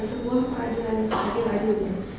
sebuah peradilan yang terakhir hadirnya